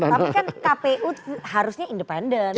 tapi kan kpu harusnya independen